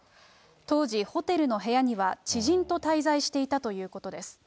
当時、ホテルの部屋には知人と滞在していたということです。